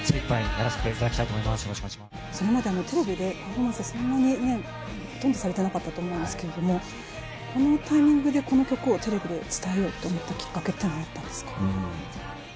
それまでテレビでパフォーマンスそんなにねほとんどされてなかったと思うんですけれどもこのタイミングでこの曲をテレビで伝えようって思ったきっかけっていうのはあったんですか？